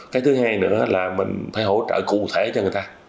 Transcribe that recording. cái thứ hai nữa là mình phải hỗ trợ cụ thể cho người ta